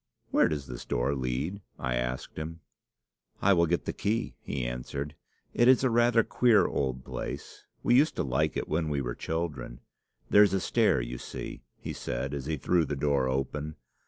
'Where does this door lead?' I asked him. 'I will get the key,' he answered. 'It is rather a queer old place. We used to like it when we were children.' 'There's a stair, you see,' he said, as he threw the door open.